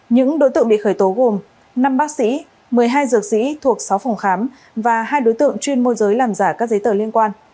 những đối tượng bị khởi tố gồm năm bác sĩ một mươi hai dược sĩ thuộc sáu phòng khám và hai đối tượng chuyên môi giới làm giả các giấy tờ liên quan